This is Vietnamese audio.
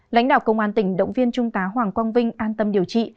lãnh đạo công an tỉnh động viên trung tá hoàng quang vinh an tâm điều trị